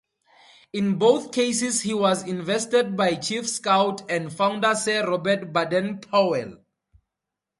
In both cases he was invested by Chief Scout and founder Sir Robert Baden-Powell.